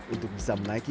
untuk bisa menaiki motor